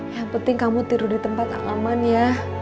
yang penting kamu tidur di tempat yang aman ya